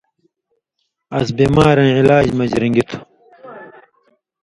اَس بیماریں علاج مژ رِن٘گیۡ تُھو۔